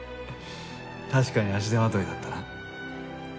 確かに足手まといだったな。